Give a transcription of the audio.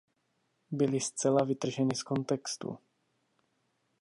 Byly zcela vytrženy z kontextu.